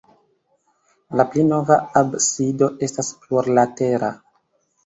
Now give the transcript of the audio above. La pli nova absido estas plurlatera.